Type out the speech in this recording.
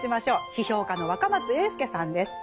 批評家の若松英輔さんです。